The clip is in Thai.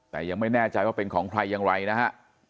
แต่ยังไม่แน่ใจว่าเป็นของใครอย่างไรนะฮะ